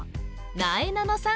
なえなのさん